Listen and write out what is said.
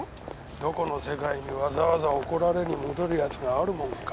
どこの世界にわざわざ怒られに戻る奴があるもんか。